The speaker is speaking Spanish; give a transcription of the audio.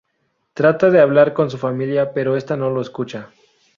Trata de hablar con su familia, pero esta no lo escucha.